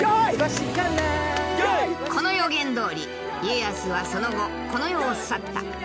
この予言どおり家康はその後この世を去った。